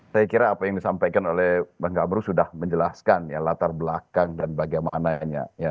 saya kira apa yang disampaikan oleh bang gambru sudah menjelaskan ya latar belakang dan bagaimananya